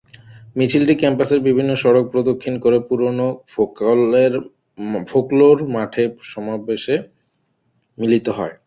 মিছিলটি ক্যাম্পাসের বিভিন্ন সড়ক প্রদক্ষিণ করে পুরোনো ফোকলোর মাঠে সমাবেশে মিলিত হয়।